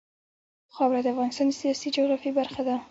خاوره د افغانستان د سیاسي جغرافیه برخه ده.